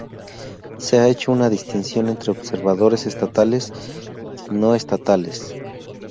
Se ha hecho una distinción entre observadores estatales y no estatales.